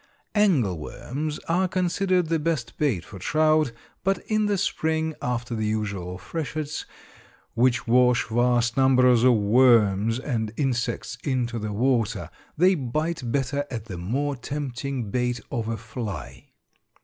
Angle worms are considered the best bait for trout, but in the spring, after the usual freshets, which wash vast numbers of worms and insects into the water, they bite better at the more tempting bait of a fly.